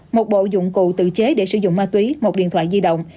một bộ dụng cụ tự chế để sử dụng ma túy một điện thoại di động